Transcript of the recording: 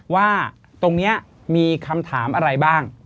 ว่าตรงนี้มีคำถามอะไรบ้าง